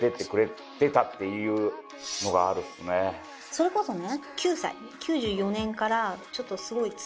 それこそね。